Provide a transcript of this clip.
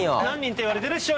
何人って言われてる？